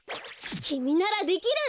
きみならできる！